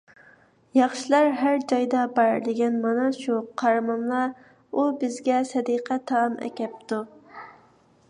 ياخشىلار ھەر جايدا بار، دېگەن مانا شۇ، قارىماملا، ئۇ بىزگە سەدىقە تائام ئەكەپتۇ!